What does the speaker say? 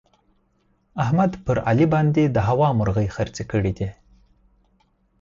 احمد پر علي باندې د هوا مرغۍ خرڅې کړې دي.